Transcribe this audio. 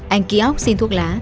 anh kiok xin thuốc lá